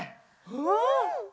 うん！